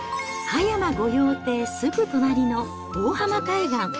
葉山御用邸すぐ隣の大浜海岸。